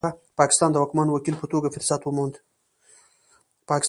پاکستان د واکمن وکیل په توګه فرصت وموند.